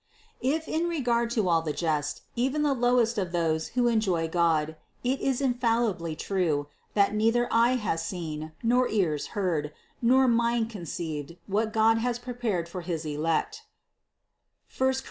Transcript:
If in regard to all the just, even 488 CITY OF GOD the lowest of those who enjoy God, it is infallibly true, that neither eye has seen, nor ears heard, nor mind con ceived, what God has prepared for his elect (I Cor.